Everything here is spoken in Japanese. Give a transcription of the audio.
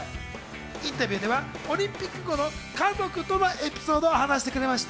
インタビューではオリンピック後の家族とのエピソードを話してくれました。